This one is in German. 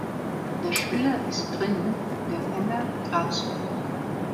Der Spieler ist "drinnen", der Fänger "draußen".